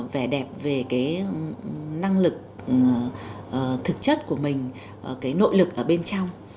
vẻ đẹp về cái năng lực thực chất của mình cái nội lực ở bên trong